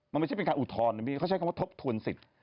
มันไม่ใช่เป็นการอุทธรณ์นะพี่เขาใช้คำว่าทบทวนสิทธิ์